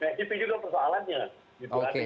nah itu juga persoalannya